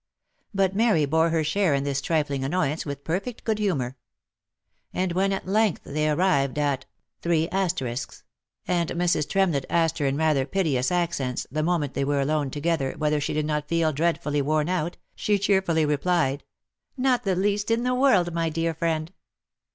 But Mary bore her share in this trifling annoyance with perfect good humour ; and when at length they arrived at* , and Mrs. Tremlett asked her in rather piteous accents, the moment they were alone together, whether she did not feel dreadfully worn out, she cheerfully replied, " Not the least in the world, my dear friend."